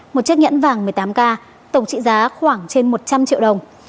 một chiếc nhẫn vàng một mươi tám k tổng trị giá khoảng trên một trăm linh triệu đồng